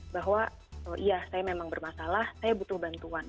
bahwa oh iya saya memang bermasalah saya butuh bantuan